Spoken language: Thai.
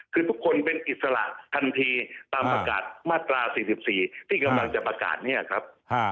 คือทุกคนเป็นอิสระทันทีตามประกาศมาตรา๔๔ที่กำลังจะประกาศเนี่ยครับ